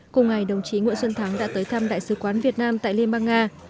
cùng ngày đồng chí nguyễn xuân thắng đã tới thăm đại sứ quán việt nam tại liên bang nga